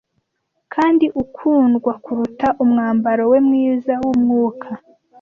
Kandi ukundwa kuruta umwambaro we mwiza wumwuka.